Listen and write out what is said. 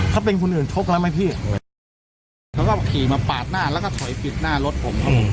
เขาเป็นคนอื่นชกแล้วไหมพี่เขาก็ขี่มาปาดหน้าแล้วก็ถอยปิดหน้ารถผมครับผม